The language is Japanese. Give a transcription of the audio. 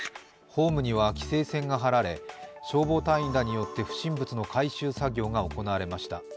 ホームには規制線が張られ、消防隊員らによって不審物の回収作業が行われました。